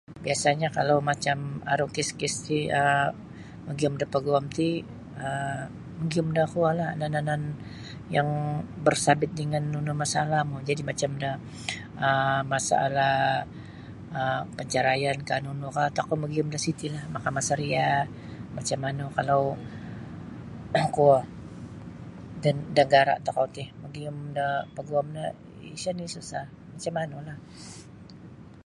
Biasanyo kalau macam aru kes-kes ri um magiyum da paguam ti um magiyum da kuolah anan-anan yang bersabit dengan nunu masalahmu jadi macam da um masalah um pancaraiankah nunukah tokou magiyum da siti lah Mahkamah Syariah macam manu kalau kuo kalau da nagara tokou ti magiyum da paguam no isa nini susah macam manulah.